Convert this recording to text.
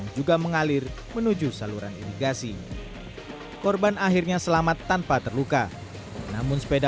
juga mengalir menuju saluran irigasi korban akhirnya selamat tanpa terluka namun sepeda